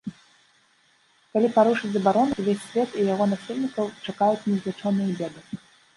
Калі парушыць забарону, увесь свет і яго насельнікаў чакаюць незлічоныя беды.